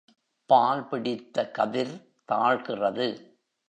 பால் பிடித்த கதிர் தாழ்கிறது.